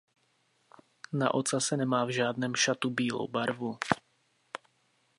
Na ocase nemá v žádném šatu bílou barvu.